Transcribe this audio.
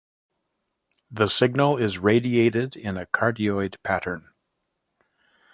The signal is radiated in a cardioid pattern.